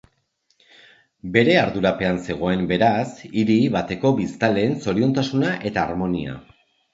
Bere ardurapean zegoen, beraz, hiri bateko biztanleen zoriontasuna eta harmonia.